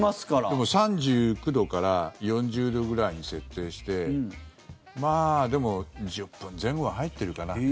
でも、３９度から４０度ぐらいに設定してまあ、でも１０分前後は入ってるかな。